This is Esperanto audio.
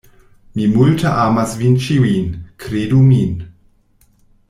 Mi multe amas vin ĉiujn; kredu min.